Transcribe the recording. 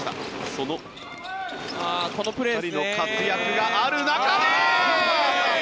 その２人の活躍がある中で！